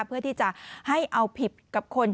เพื่อที่จะให้เอาผิดกับคน